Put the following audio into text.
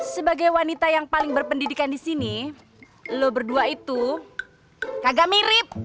sebagai wanita yang paling berpendidikan di sini lo berdua itu kagak mirip